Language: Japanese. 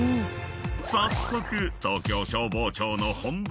［早速東京消防庁の本部庁舎へ］